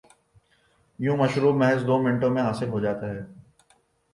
یوں مشروب محض دومنٹوں میں حاصل ہوجاتا ہے۔